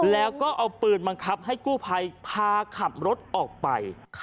แล้วก็เอาปืนบังคับให้กู้ภัยพาขับรถออกไป